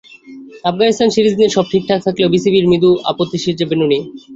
Afghanistan series নিয়ে সব ঠিকঠাক থাকলেও বিসিবির মৃদু আপত্তি সিরিজের ভেন্যু নিয়ে।